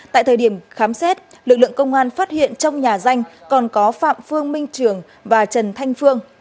tại thời điểm khám xét lực lượng công an phát hiện trong nhà danh còn có phạm phương minh trường và trần thanh phương